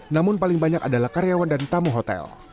namun paling banyak adalah karyawan dan tamu hotel